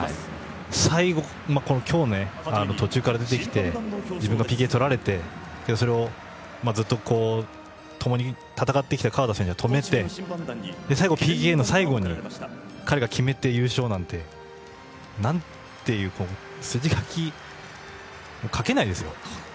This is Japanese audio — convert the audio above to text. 最後、今日途中から出てきて自分がＰＫとられてそれをずっとともに戦ってきた河田選手が止めてそしてＰＫの最後に彼が決めて優勝なんてなんていう筋書き書けないですよ。